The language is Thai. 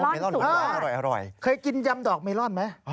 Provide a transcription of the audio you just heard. เมลอลอร่อยอร่อยอร่อยเคยกินยำดอกเมลอลไหมอ๋อ